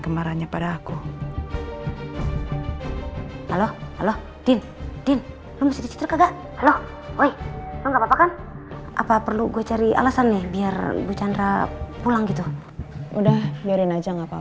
kemarahannya pada aku halo halo din din lu mesti dicetrek gak halo woi lu gak apa apa kan apa perlu gue cari alasan nih biar bu chandra pulang gitu udah biarin aja gak apa apa